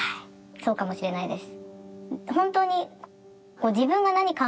そうかもしれないです。